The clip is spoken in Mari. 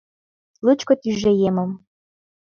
— Лучко тӱже-емым...